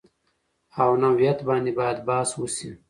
او نوعیت باندې باید بحث وشي